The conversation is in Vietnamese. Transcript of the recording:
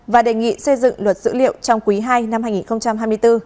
và đề nghị xây dựng luật dữ liệu trong quý ii năm hai nghìn hai mươi bốn